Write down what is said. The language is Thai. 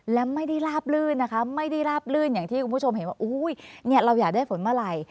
และไม่ได้ลาบลื่นนะคะไม่ได้ลาบลื่นอย่างที่คุณผู้ชมเห็นว่าเราอยากได้ฝนเมื่อไหร่